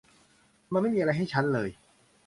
มันไม่มีอะไรให้ฉันเลย